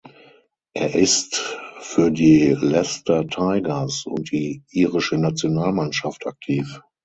Er ist für die Leicester Tigers und die irische Nationalmannschaft aktiv.